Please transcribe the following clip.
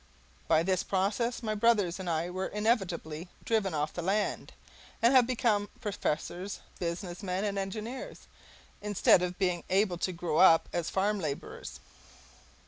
By this process my brothers and I were inevitably driven off the land, and have become professors, business men, and engineers, instead of being able to grow up as farm labourers.